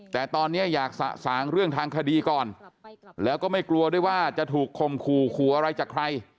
แต่ตอนนี้อยากสะสางเรื่องทางคดีก่อนแล้วก็ไม่กลัวด้วยว่าจะถูกคมขู่ขู่อะไรจากใคร